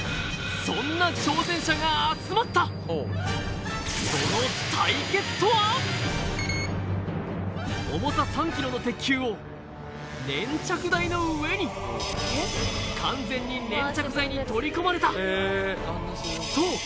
そんな挑戦者が集まった重さ３ｋｇの鉄球を粘着台の上に完全に粘着剤に取り込まれたそう